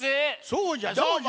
そうじゃそうじゃ！